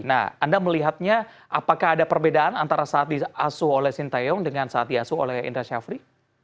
nah anda melihatnya apakah ada perbedaan antara saat diasuh oleh sintayong dengan saat diasuh oleh indra syafri